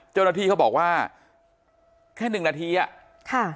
เจ้าหน้าที่เขาบอกว่าแค่หนึ่งนาทีอ่ะค่ะ